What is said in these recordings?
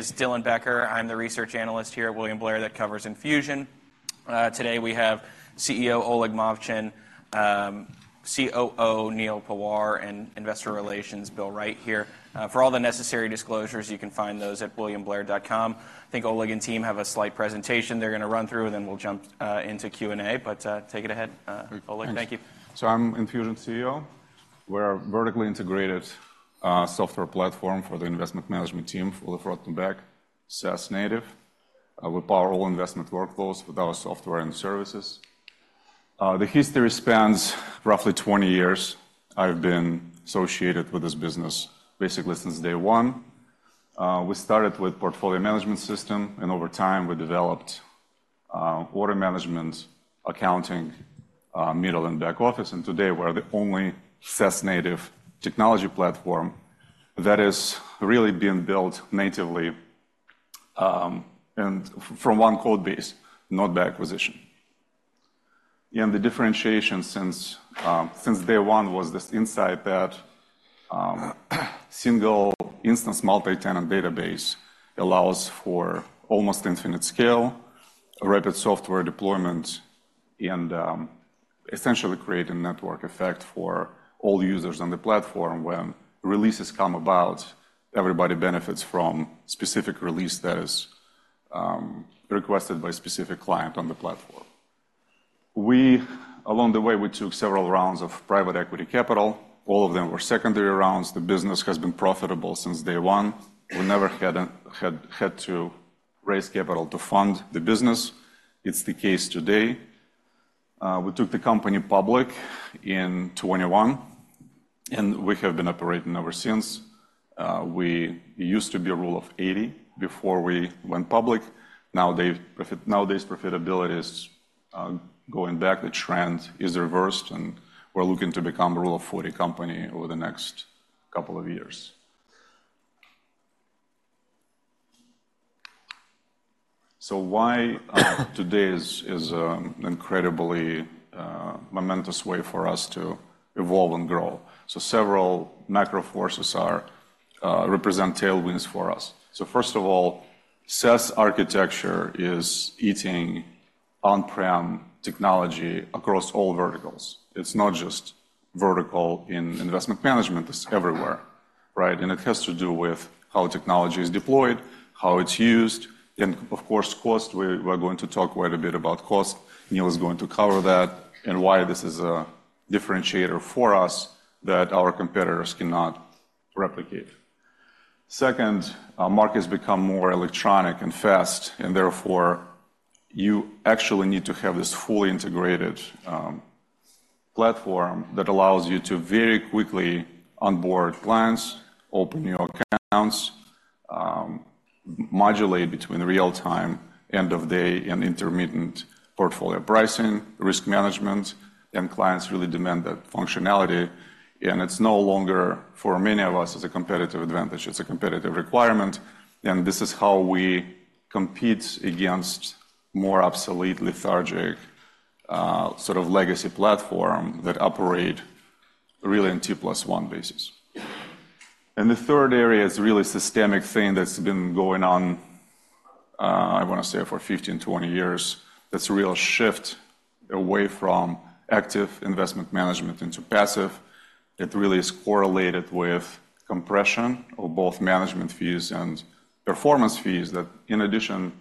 name is Dylan Becker. I'm the research analyst here at William Blair that covers Enfusion. Today we have CEO Oleg Movchan, COO Neal Pawar, and Investor Relations, Bill Wright here. For all the necessary disclosures, you can find those at williamblair.com. I think Oleg and team have a slight presentation they're gonna run through, and then we'll jump into Q&A. But take it ahead, Oleg. Thank you. I'm Enfusion CEO. We're a vertically integrated software platform for the investment management team, front to back, SaaS native. We power all investment workflows with our software and services. The history spans roughly 20 years. I've been associated with this business basically since day one. We started with portfolio management system, and over time, we developed order management, accounting, middle, and back office. Today, we're the only SaaS native technology platform that is really being built natively and from one code base, not by acquisition. The differentiation since day one was this insight that single instance multi-tenant database allows for almost infinite scale, rapid software deployment, and essentially create a network effect for all users on the platform. When releases come about, everybody benefits from specific release that is requested by a specific client on the platform. Along the way, we took several rounds of private equity capital. All of them were secondary rounds. The business has been profitable since day one. We never had to raise capital to fund the business. It's the case today. We took the company public in 2021, and we have been operating ever since. We used to be a Rule of 80 before we went public. Nowadays, profitability is going back, the trend is reversed, and we're looking to become a Rule of 40 company over the next couple of years. So why today is incredibly momentous way for us to evolve and grow? So several macro forces represent tailwinds for us. So first of all, SaaS architecture is eating on-prem technology across all verticals. It's not just vertical in investment management, it's everywhere, right? And it has to do with how technology is deployed, how it's used, and of course, cost. We're going to talk quite a bit about cost. Neal is going to cover that and why this is a differentiator for us that our competitors cannot replicate. Second, markets become more electronic and fast, and therefore, you actually need to have this fully integrated platform that allows you to very quickly onboard clients, open new accounts, modulate between real-time, end-of-day, and intermittent portfolio pricing, risk management, and clients really demand that functionality. And it's no longer, for many of us, is a competitive advantage, it's a competitive requirement. This is how we compete against more obsolete, lethargic, sort of legacy platform that operate really on T+1 basis. The third area is a really systemic thing that's been going on, I wanna say for 15, 20 years. That's a real shift away from active investment management into passive. It really is correlated with compression of both management fees and performance fees, that in addition,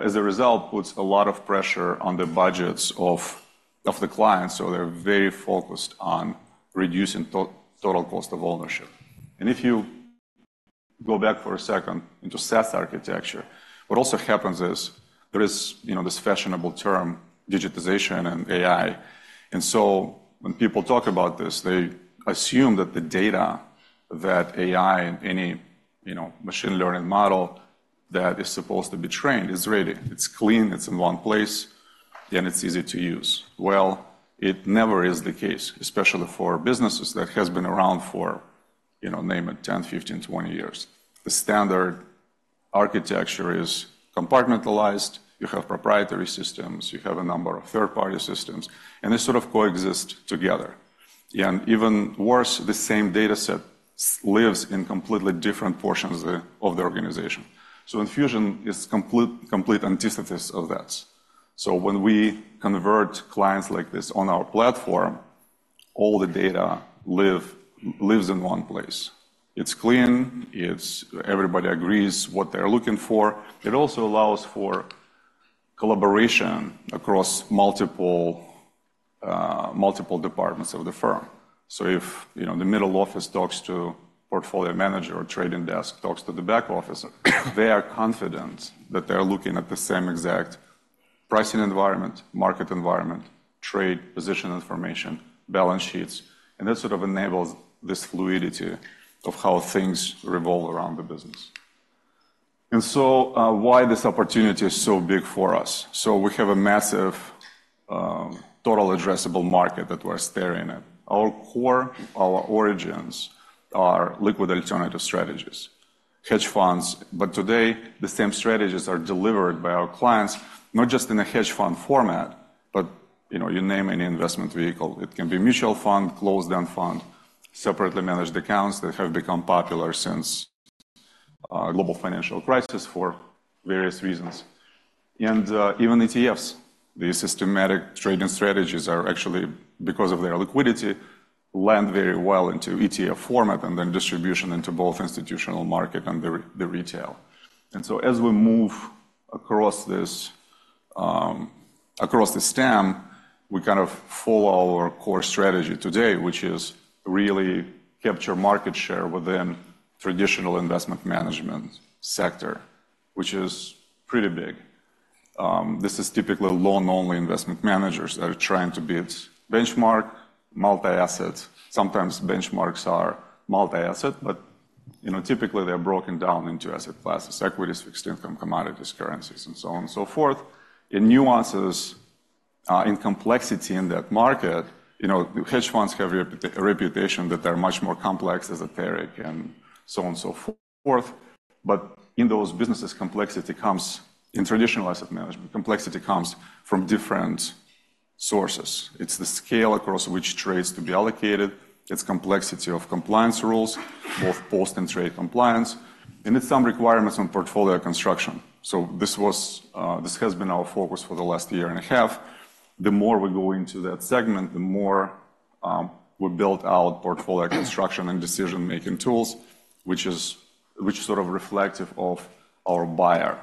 as a result, puts a lot of pressure on the budgets of the clients, so they're very focused on reducing total cost of ownership. If you go back for a second into SaaS architecture, what also happens is there is, you know, this fashionable term, digitization and AI. When people talk about this, they assume that the data that AI and any, you know, machine learning model that is supposed to be trained is ready, it's clean, it's in one place, and it's easy to use. Well, it never is the case, especially for businesses that has been around for, you know, name it, 10, 15, 20 years. The standard architecture is compartmentalized. You have proprietary systems, you have a number of third-party systems, and they sort of coexist together. Even worse, the same data set lives in completely different portions of the, of the organization. Enfusion is complete, complete antithesis of that. When we convert clients like this on our platform, all the data live, lives in one place. It's clean, it's... everybody agrees what they're looking for. It also allows for collaboration across multiple, multiple departments of the firm. So if, you know, the middle office talks to portfolio manager or trading desk talks to the back office, they are confident that they are looking at the same exact pricing environment, market environment, trade, position information, balance sheets, and that sort of enables this fluidity of how things revolve around the business. And so, why this opportunity is so big for us? So we have a massive, total addressable market that we're staring at. Our core, our origins are liquid alternative strategies, hedge funds. But today, the same strategies are delivered by our clients, not just in a hedge fund format, but, you know, you name any investment vehicle. It can be mutual fund, closed-end fund, separately managed accounts that have become popular since, Global Financial Crisis for various reasons, and, even ETFs. The systematic trading strategies are actually, because of their liquidity, lend very well into ETF format, and then distribution into both institutional market and the retail. So as we move across this, across the TAM, we kind of follow our core strategy today, which is really capture market share within traditional investment management sector, which is pretty big. This is typically long-only investment managers that are trying to beat benchmark, multi-asset. Sometimes benchmarks are multi-asset, but, you know, typically they're broken down into asset classes, equities, fixed income, commodities, currencies, and so on and so forth. In nuances, in complexity in that market, you know, hedge funds have a reputation that they're much more complex, esoteric, and so on and so forth. But in those businesses, complexity comes... In traditional asset management, complexity comes from different sources. It's the scale across which trades to be allocated, it's complexity of compliance rules, both post and trade compliance, and it's some requirements on portfolio construction. This has been our focus for the last year and a half. The more we go into that segment, the more we build out portfolio construction and decision-making tools, which is, which is sort of reflective of our buyer.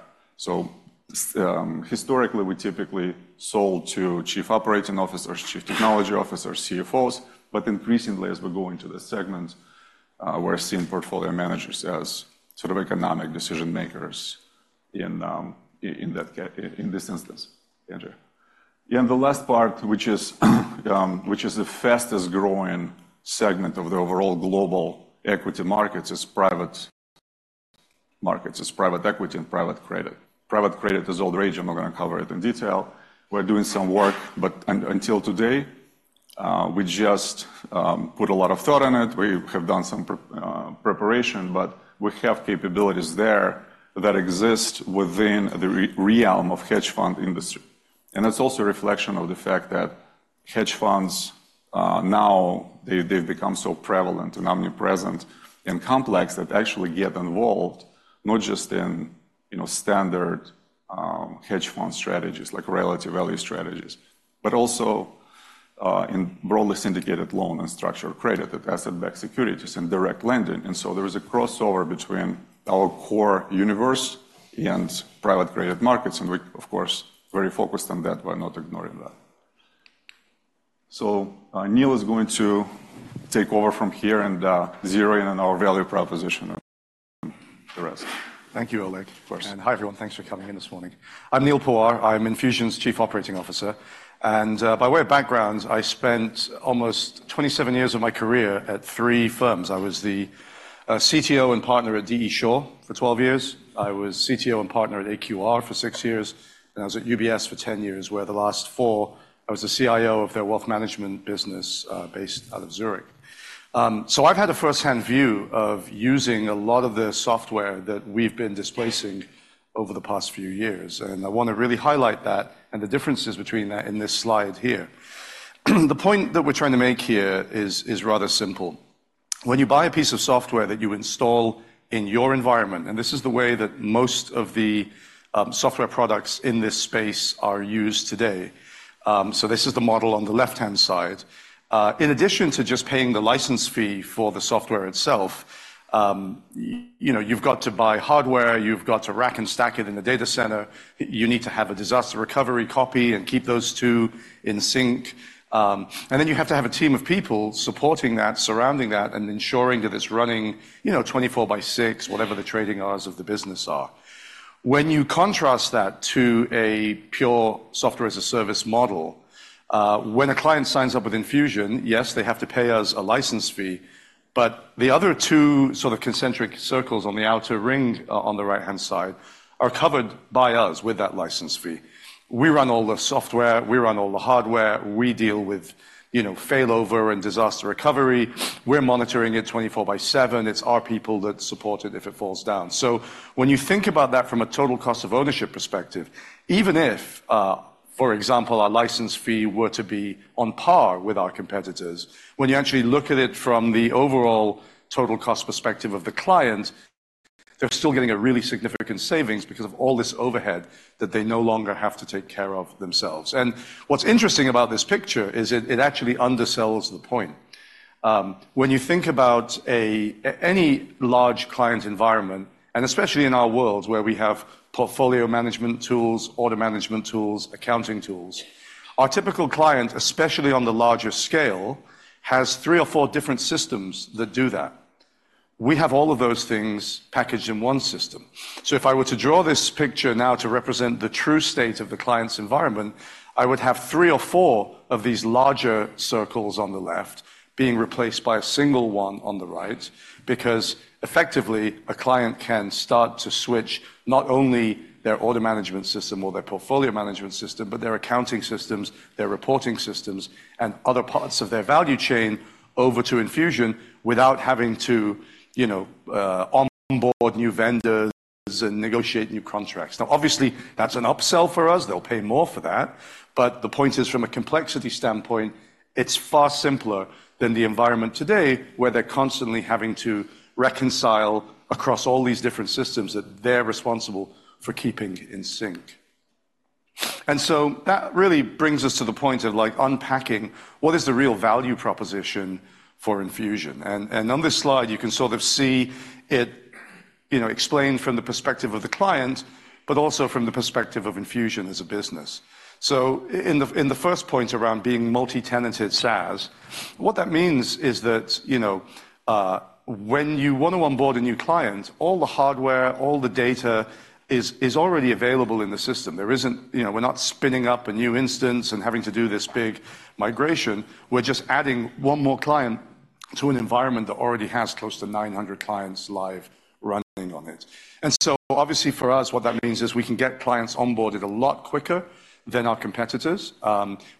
Historically, we typically sold to chief operating officers, chief technology officers, CFOs, but increasingly, as we go into this segment, we're seeing portfolio managers as sort of economic decision-makers in this instance. Andrew. The last part, which is the fastest-growing segment of the overall global equity markets, is private markets, is private equity and private credit. Private credit is all the rage, and we're gonna cover it in detail. We're doing some work, but until today, we just put a lot of thought in it. We have done some preparation, but we have capabilities there that exist within the realm of hedge fund industry. And it's also a reflection of the fact that hedge funds, now, they, they've become so prevalent and omnipresent and complex that actually get involved, not just in, you know, standard, hedge fund strategies, like relative value strategies, but also, in broadly syndicated loan and structured credit, that asset-backed securities and direct lending. And so there is a crossover between our core universe and private credit markets, and we, of course, very focused on that. We're not ignoring that. So, Neal is going to take over from here and zero in on our value proposition and the rest. Thank you, Oleg. Of course. Hi, everyone. Thanks for coming in this morning. I'm Neal Pawar. I'm Enfusion's Chief Operating Officer, and by way of background, I spent almost 27 years of my career at three firms. I was the CTO and partner at D. E. Shaw for 12 years. I was CTO and partner at AQR for 6 years, and I was at UBS for 10 years, where the last 4, I was the CIO of their wealth management business, based out of Zurich. So I've had a first-hand view of using a lot of the software that we've been displacing over the past few years, and I wanna really highlight that and the differences between that in this slide here. The point that we're trying to make here is rather simple. When you buy a piece of software that you install in your environment, and this is the way that most of the software products in this space are used today, so this is the model on the left-hand side. In addition to just paying the license fee for the software itself, you know, you've got to buy hardware, you've got to rack and stack it in the data center, you need to have a disaster recovery copy and keep those two in sync. And then you have to have a team of people supporting that, surrounding that, and ensuring that it's running, you know, 24 by 6, whatever the trading hours of the business are. When you contrast that to a pure software-as-a-service model, when a client signs up with Enfusion, yes, they have to pay us a license fee, but the other two sort of concentric circles on the outer ring, on the right-hand side, are covered by us with that license fee. We run all the software, we run all the hardware, we deal with, you know, failover and disaster recovery. We're monitoring it 24 by 7. It's our people that support it if it falls down. So when you think about that from a total cost of ownership perspective, even if, for example, our license fee were to be on par with our competitors, when you actually look at it from the overall total cost perspective of the client, they're still getting a really significant savings because of all this overhead that they no longer have to take care of themselves. What's interesting about this picture is it actually undersells the point. When you think about any large client environment, and especially in our world, where we have portfolio management tools, order management tools, accounting tools, our typical client, especially on the larger scale, has three or four different systems that do that. We have all of those things packaged in one system. So if I were to draw this picture now to represent the true state of the client's environment, I would have three or four of these larger circles on the left being replaced by a single one on the right, because effectively, a client can start to switch not only their order management system or their portfolio management system, but their accounting systems, their reporting systems, and other parts of their value chain over to Enfusion without having to, you know, onboard new vendors and negotiate new contracts. Now, obviously, that's an upsell for us, they'll pay more for that. But the point is, from a complexity standpoint, it's far simpler than the environment today, where they're constantly having to reconcile across all these different systems that they're responsible for keeping in sync. And so that really brings us to the point of, like, unpacking what is the real value proposition for Enfusion? And on this slide, you can sort of see it, you know, explained from the perspective of the client, but also from the perspective of Enfusion as a business. So in the first point around being multi-tenant SaaS, what that means is that, you know, when you wanna onboard a new client, all the hardware, all the data is already available in the system. There isn't. You know, we're not spinning up a new instance and having to do this big migration, we're just adding one more client to an environment that already has close to 900 clients live running on it. Obviously, for us, what that means is we can get clients onboarded a lot quicker than our competitors,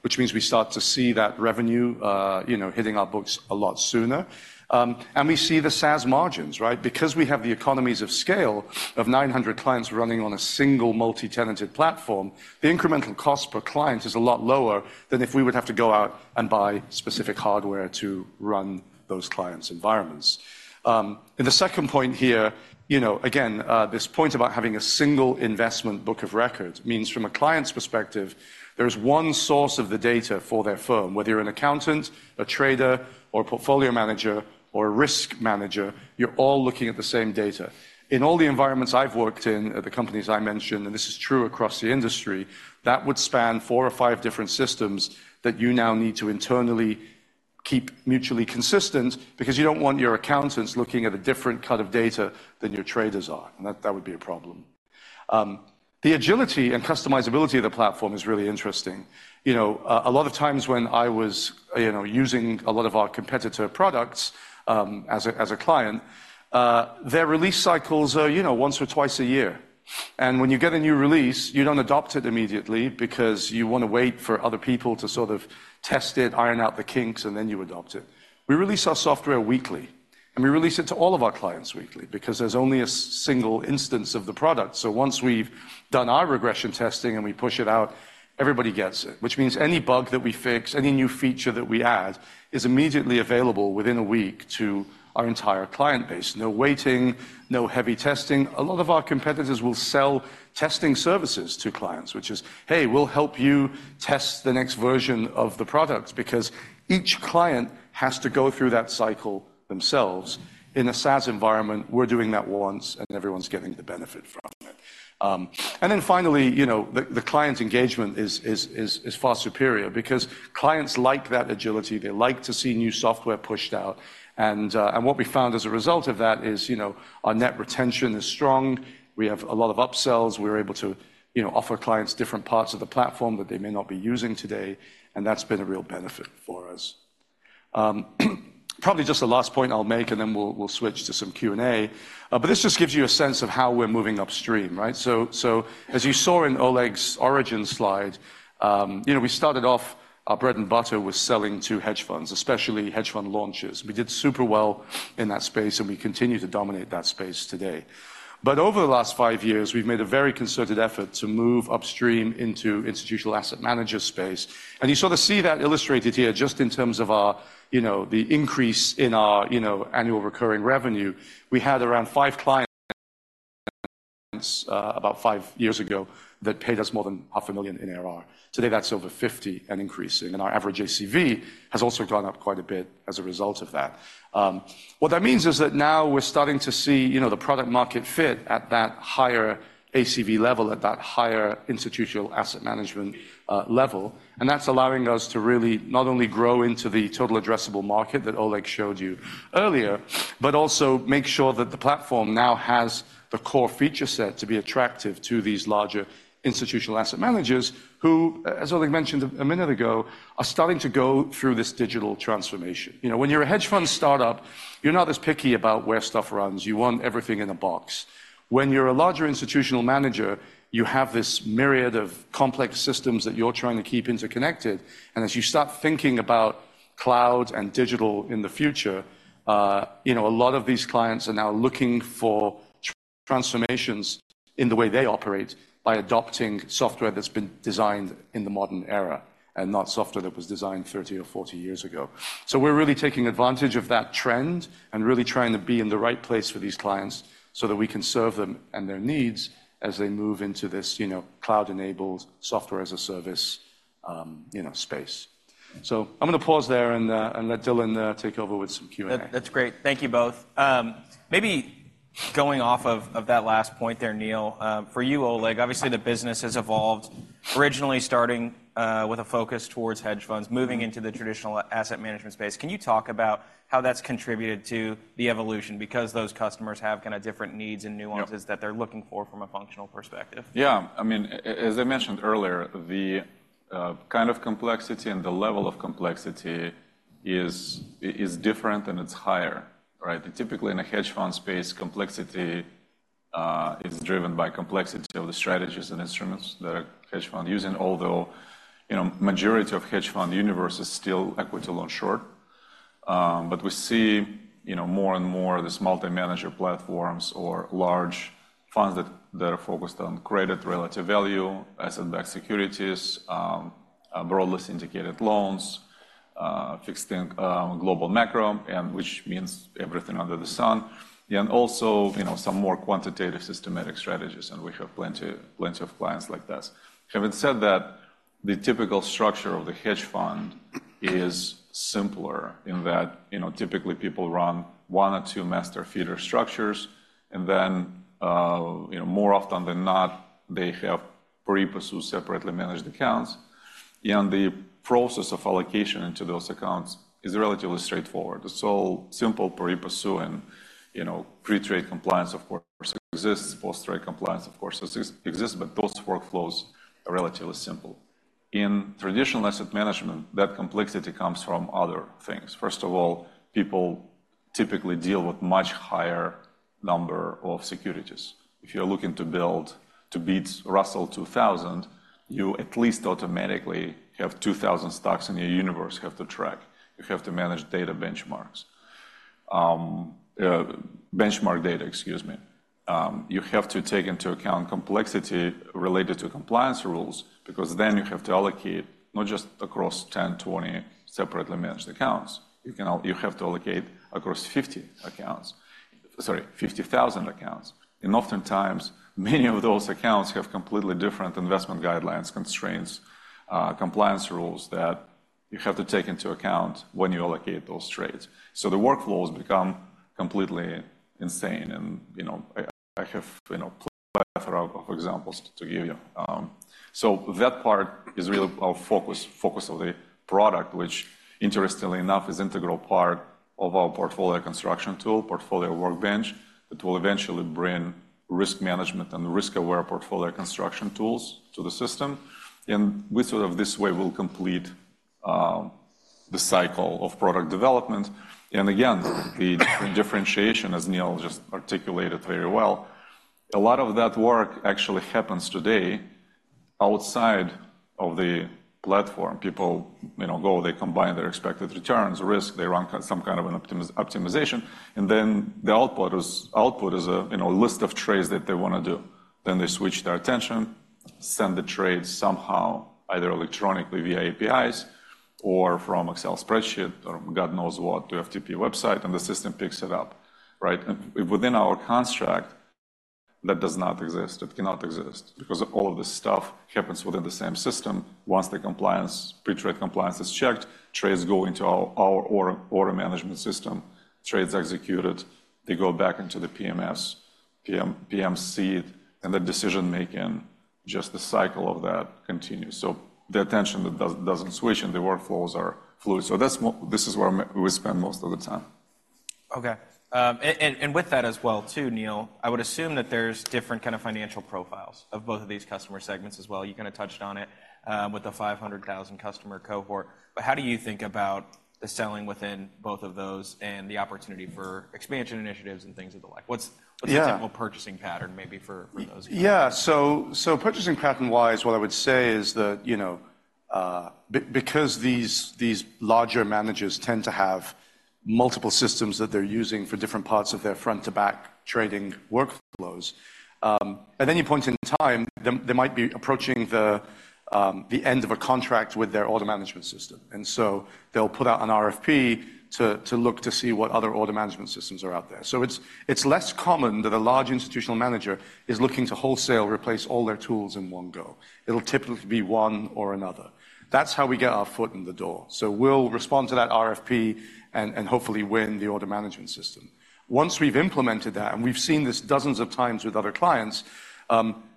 which means we start to see that revenue, you know, hitting our books a lot sooner. And we see the SaaS margins, right? Because we have the economies of scale of 900 clients running on a single multi-tenant platform, the incremental cost per client is a lot lower than if we would have to go out and buy specific hardware to run those clients' environments. And the second point here, you know, again, this point about having a single investment book of records means from a client's perspective, there's one source of the data for their firm, whether you're an accountant, a trader, or a portfolio manager, or a risk manager, you're all looking at the same data. In all the environments I've worked in, at the companies I mentioned, and this is true across the industry, that would span four or five different systems that you now need to internally keep mutually consistent because you don't want your accountants looking at a different cut of data than your traders are, and that, that would be a problem. The agility and customizability of the platform is really interesting. You know, a lot of times when I was, you know, using a lot of our competitor products, as a, as a client, their release cycles are, you know, once or twice a year. When you get a new release, you don't adopt it immediately because you wanna wait for other people to sort of test it, iron out the kinks, and then you adopt it. We release our software weekly, and we release it to all of our clients weekly because there's only a single instance of the product. So once we've done our regression testing, and we push it out, everybody gets it, which means any bug that we fix, any new feature that we add, is immediately available within a week to our entire client base. No waiting, no heavy testing. A lot of our competitors will sell testing services to clients, which is, "Hey, we'll help you test the next version of the product," because each client has to go through that cycle themselves. In a SaaS environment, we're doing that once, and everyone's getting the benefit from it. And then finally, you know, the client's engagement is far superior because clients like that agility, they like to see new software pushed out. What we found as a result of that is, you know, our net retention is strong, we have a lot of upsells, we're able to, you know, offer clients different parts of the platform that they may not be using today, and that's been a real benefit for us. Probably just the last point I'll make, and then we'll switch to some Q&A. But this just gives you a sense of how we're moving upstream, right? So as you saw in Oleg's origin slide, you know, we started off our bread and butter was selling to hedge funds, especially hedge fund launchers. We did super well in that space, and we continue to dominate that space today. But over the last five years, we've made a very concerted effort to move upstream into institutional asset manager space. You sort of see that illustrated here, just in terms of our, you know, the increase in our, you know, annual recurring revenue. We had around five clients, about five years ago, that paid us more than $500,000 in ARR. Today, that's over 50 and increasing, and our average ACV has also gone up quite a bit as a result of that. What that means is that now we're starting to see, you know, the product market fit at that higher ACV level, at that higher institutional asset management level. That's allowing us to really not only grow into the total addressable market that Oleg showed you earlier, but also make sure that the platform now has the core feature set to be attractive to these larger institutional asset managers, who, as Oleg mentioned a minute ago, are starting to go through this digital transformation. You know, when you're a hedge fund startup, you're not as picky about where stuff runs. You want everything in a box. When you're a larger institutional manager, you have this myriad of complex systems that you're trying to keep interconnected, and as you start thinking about cloud and digital in the future, you know, a lot of these clients are now looking for transformations in the way they operate by adopting software that's been designed in the modern era and not software that was designed 30 years or 40 years ago. So we're really taking advantage of that trend and really trying to be in the right place for these clients so that we can serve them and their needs as they move into this, you know, cloud-enabled software-as-a-service, you know, space. So I'm gonna pause there and let Dylan take over with some Q&A. That's great. Thank you both. Maybe going off of that last point there, Neal, for you, Oleg, obviously, the business has evolved, originally starting with a focus towards hedge funds- Mm-hmm. - moving into the traditional asset management space. Can you talk about how that's contributed to the evolution? Because those customers have kinda different needs and nuances- Yep. that they're looking for from a functional perspective. Yeah. I mean, as I mentioned earlier, the kind of complexity and the level of complexity is different and it's higher, right? Typically, in a hedge fund space, complexity is driven by complexity of the strategies and instruments that a hedge fund using, although, you know, majority of hedge fund universe is still equity long short. But we see, you know, more and more this multi-manager platforms or large funds that, that are focused on credit, relative value, asset-backed securities, broadly syndicated loans, fixed income, global macro, and which means everything under the sun, and also, you know, some more quantitative systematic strategies, and we have plenty, plenty of clients like this. Having said that, the typical structure of the hedge fund is simpler in that, you know, typically people run one or two master feeder structures, and then, you know, more often than not, they have pari passu separately managed accounts. And the process of allocation into those accounts is relatively straightforward. It's all simple pari passu and, you know, pre-trade compliance, of course, exists. Post-trade compliance, of course, exists, but those workflows are relatively simple. In traditional asset management, that complexity comes from other things. First of all, people typically deal with much higher number of securities. If you're looking to build to beat Russell 2000, you at least automatically have 2,000 stocks in your universe you have to track. You have to manage data benchmarks. Benchmark data, excuse me. You have to take into account complexity related to compliance rules, because then you have to allocate not just across 10, 20 separately managed accounts. You have to allocate across 50 accounts. Sorry, 50,000 accounts. And oftentimes, many of those accounts have completely different investment guidelines, constraints, compliance rules that you have to take into account when you allocate those trades. So, the workflows become completely insane, and, you know, I, I have, you know, plethora of examples to give you. So that part is really our focus of the product, which interestingly enough, is integral part of our portfolio construction tool, Portfolio Workbench, that will eventually bring risk management and risk-aware portfolio construction tools to the system, and we sort of this way will complete the cycle of product development. And again, the differentiation, as Neil just articulated very well, a lot of that work actually happens today outside of the platform. People, you know, go, they combine their expected returns, risk, they run some kind of an optimization, and then the output is a, you know, a list of trades that they wanna do. Then they switch their attention, send the trade somehow, either electronically via APIs or from Excel spreadsheet, or God knows what, to FTP website, and the system picks it up, right? And within our construct, that does not exist. It cannot exist because all of this stuff happens within the same system. Once the compliance, pre-trade compliance is checked, trades go into our order management system. Trades executed, they go back into the PMS, and the decision-making, just the cycle of that continues. So the attention doesn't switch, and the workflows are fluid. So that's this is where we spend most of the time. Okay. And with that as well, too, Neal, I would assume that there's different kind of financial profiles of both of these customer segments as well. You kinda touched on it with the 500,000 customer cohort, but how do you think about the selling within both of those and the opportunity for expansion initiatives and things of the like? What's- Yeah. What's the typical purchasing pattern maybe for, for those people? Yeah. So, so purchasing pattern-wise, what I would say is that, you know, because these, these larger managers tend to have multiple systems that they're using for different parts of their front-to-back trading workflows, at any point in time, they might be approaching the end of a contract with their order management system. And so they'll put out an RFP to look to see what other order management systems are out there. So it's less common that a large institutional manager is looking to wholesale replace all their tools in one go. It'll typically be one or another. That's how we get our foot in the door. So we'll respond to that RFP and hopefully win the order management system. Once we've implemented that, and we've seen this dozens of times with other clients,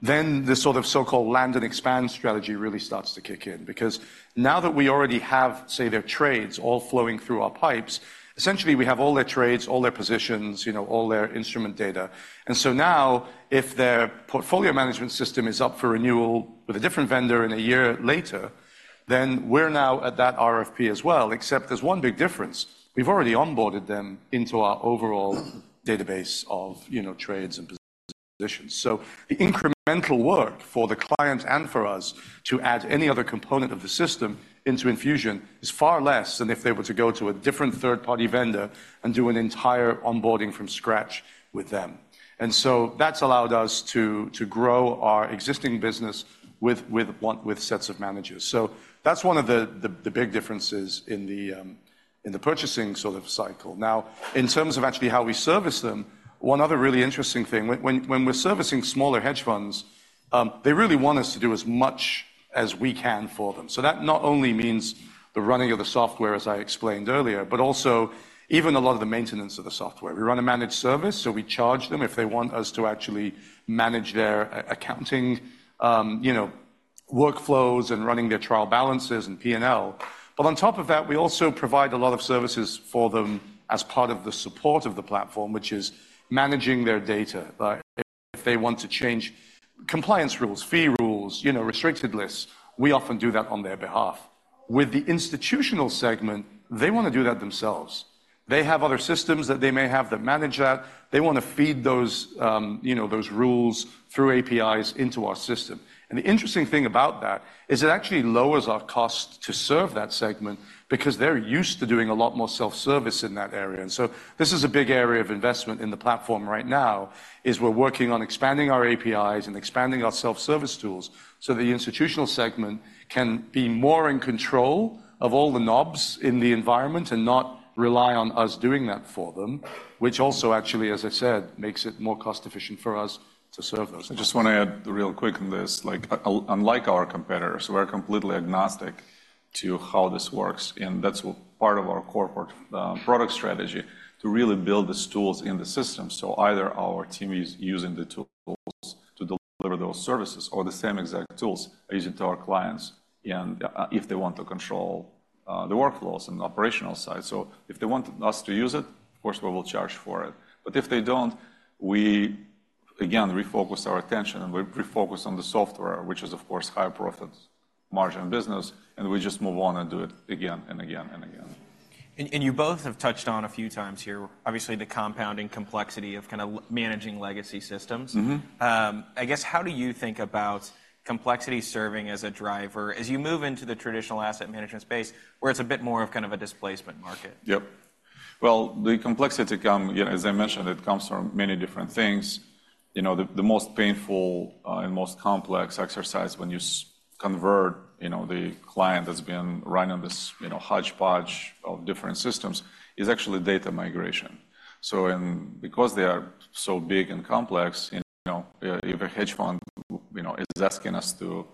then this sort of so-called land and expand strategy really starts to kick in. Because now that we already have, say, their trades all flowing through our pipes, essentially, we have all their trades, all their positions, you know, all their instrument data. And so now, if their portfolio management system is up for renewal with a different vendor in a year later, then we're now at that RFP as well, except there's one big difference. We've already onboarded them into our overall database of, you know, trades and positions. So the incremental work for the client and for us to add any other component of the system into Enfusion is far less than if they were to go to a different third-party vendor and do an entire onboarding from scratch with them. And so that's allowed us to grow our existing business with sets of managers. So that's one of the big differences in the purchasing sort of cycle. Now, in terms of actually how we service them, one other really interesting thing, when we're servicing smaller hedge funds, they really want us to do as much as we can for them. So that not only means the running of the software, as I explained earlier, but also even a lot of the maintenance of the software. We run a managed service, so we charge them if they want us to actually manage their accounting, you know, workflows and running their trial balances and P&L. But on top of that, we also provide a lot of services for them as part of the support of the platform, which is managing their data. If they want to change compliance rules, fee rules, you know, restricted lists, we often do that on their behalf. With the institutional segment, they wanna do that themselves. They have other systems that they may have that manage that. They want to feed those, you know, those rules through APIs into our system. And the interesting thing about that is it actually lowers our cost to serve that segment because they're used to doing a lot more self-service in that area. This is a big area of investment in the platform right now, is we're working on expanding our APIs and expanding our self-service tools so the institutional segment can be more in control of all the knobs in the environment and not rely on us doing that for them, which also actually, as I said, makes it more cost-efficient for us to serve those. I just want to add real quick on this, like, unlike our competitors, we're completely agnostic to how this works, and that's part of our core product strategy, to really build these tools in the system. So either our team is using the tools to deliver those services, or the same exact tools are using to our clients and if they want to control the workflows and operational side. So if they want us to use it, of course, we will charge for it. But if they don't, we again, refocus our attention, and we refocus on the software, which is, of course, high-profit margin business, and we just move on and do it again and again and again. And you both have touched on a few times here, obviously, the compounding complexity of kind of managing legacy systems. Mm-hmm. I guess, how do you think about complexity serving as a driver as you move into the traditional asset management space, where it's a bit more of kind of a displacement market? Yep. Well, the complexity comes, you know, as I mentioned, from many different things. You know, the most painful and most complex exercise when you convert, you know, the client that's been running on this, you know, hodgepodge of different systems, is actually data migration. So, because they are so big and complex, you know, if a hedge fund, you know, is asking us to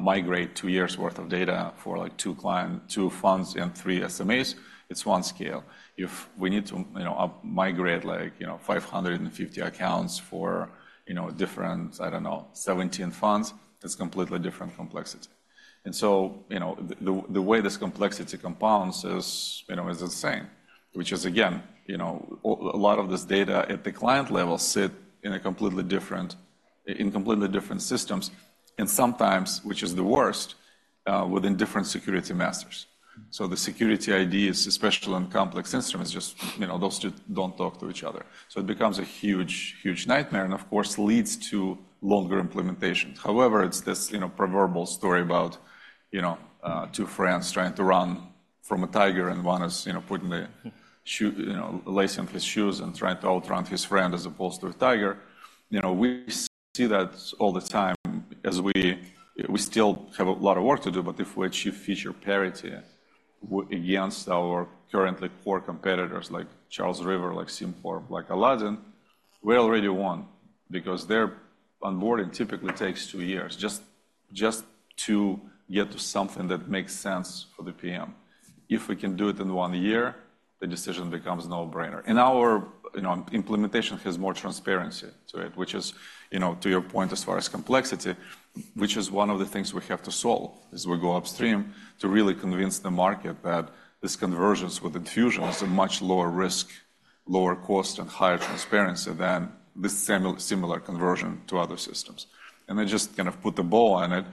migrate two years' worth of data for, like, two clients, two funds and three SMAs, it's one scale. If we need to, you know, up-migrate, like, you know, 550 accounts for, you know, different, I don't know, 17 funds, that's completely different complexity. And so, you know, the way this complexity compounds is, you know, is the same, which is, again, you know, a lot of this data at the client level sit in a completely different, in completely different systems, and sometimes, which is the worst, within different security masters. So the security IDs, especially on complex instruments, just, you know, those two don't talk to each other. So it becomes a huge, huge nightmare, and of course, leads to longer implementation. However, it's this, you know, proverbial story about, you know, two friends trying to run from a tiger, and one is, you know, putting the shoe, you know, lacing up his shoes and trying to outrun his friend as opposed to a tiger. You know, we see that all the time as we, we still have a lot of work to do, but if we achieve feature parity with against our current core competitors like Charles River, like SimCorp, like Aladdin, we already won because their onboarding typically takes two years just, just to get to something that makes sense for the PM. If we can do it in one year, the decision becomes a no-brainer. And our, you know, implementation has more transparency to it, which is, you know, to your point, as far as complexity, which is one of the things we have to solve as we go upstream to really convince the market that this convergence with Enfusion is a much lower risk, lower cost, and higher transparency than this similar conversion to other systems. I just kind of put the bow on it,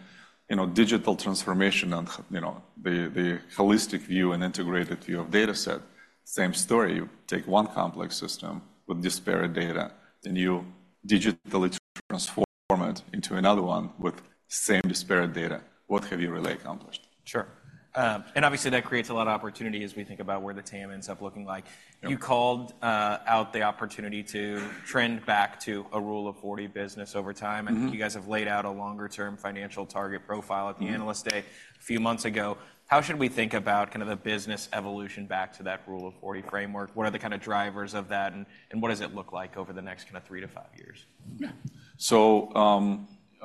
you know, digital transformation and, you know, the holistic view and integrated view of data set, same story. You take one complex system with disparate data, and you digitally transform it into another one with same disparate data. What have you really accomplished? Sure. And obviously, that creates a lot of opportunity as we think about where the team ends up looking like. Yep. You called out the opportunity to trend back to a Rule of 40 business over time. Mm-hmm. I think you guys have laid out a longer-term financial target profile at- Mm The Analyst Day a few months ago. How should we think about kind of the business evolution back to that Rule of 40 framework? What are the kind of drivers of that, and, and what does it look like over the next kind of three to five years? Yeah. So,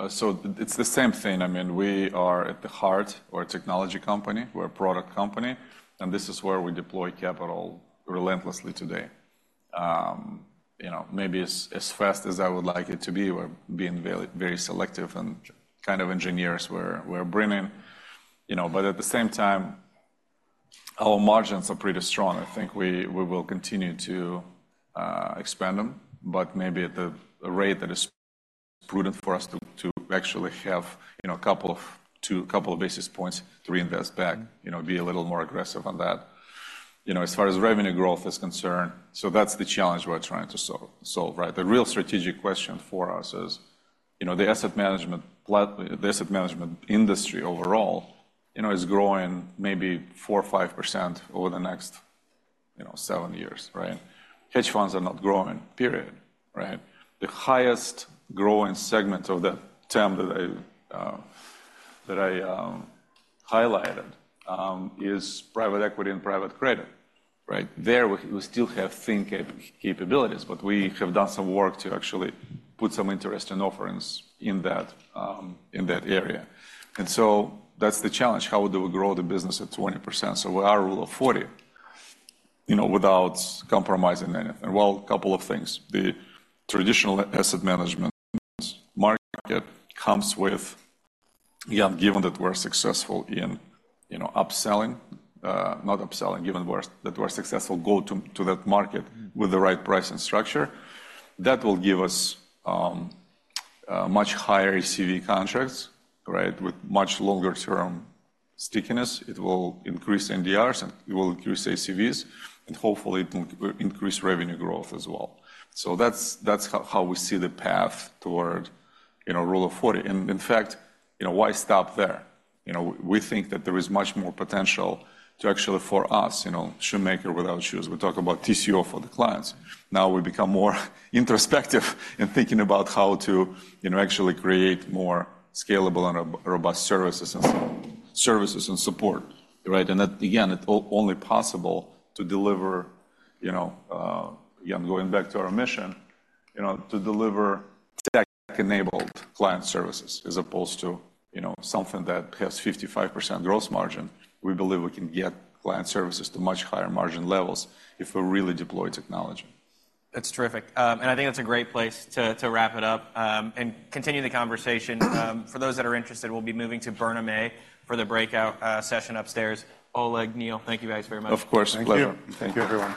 so it's the same thing. I mean, we are at the heart, we're a technology company, we're a product company, and this is where we deploy capital relentlessly today. You know, maybe as fast as I would like it to be, we're being very, very selective and kind of engineers we're bringing in. You know, but at the same time, our margins are pretty strong. I think we will continue to expand them, but maybe at the rate that is prudent for us to actually have, you know, a couple of... to a couple of basis points to reinvest back, you know, be a little more aggressive on that. You know, as far as revenue growth is concerned, so that's the challenge we're trying to solve, solve, right? The real strategic question for us is, you know, the asset management industry overall, you know, is growing maybe 4% or 5% over the next, you know, 7 years, right? Hedge funds are not growing, period, right? The highest growing segment of the term that I highlighted is private equity and private credit, right? There, we still have thin capabilities, but we have done some work to actually put some interesting offerings in that area. And so that's the challenge: how do we grow the business at 20%? So with our Rule of 40, you know, without compromising anything. Well, a couple of things. The traditional asset management market comes with, again, given that we're successful in, you know, upselling, not upselling, given that we're successful going to that market with the right pricing structure, that will give us a much higher ACV contracts, right? With much longer-term stickiness. It will increase NDRs, and it will increase ACVs, and hopefully, it will increase revenue growth as well. So that's, that's how, how we see the path toward, you know, Rule of 40. And in fact, you know, why stop there? You know, we think that there is much more potential to actually for us, you know, shoemaker without shoes. We talk about TCO for the clients. Now, we become more introspective in thinking about how to, you know, actually create more scalable and robust services and support. Services and support, right? Again, it's only possible to deliver, you know, again, going back to our mission, you know, to deliver tech-enabled client services as opposed to, you know, something that has 55% gross margin. We believe we can get client services to much higher margin levels if we really deploy technology. That's terrific. And I think that's a great place to wrap it up, and continue the conversation. For those that are interested, we'll be moving to Burnham A for the breakout session upstairs. Oleg, Neal, thank you guys very much. Of course. Pleasure. Thank you. Thank you, everyone.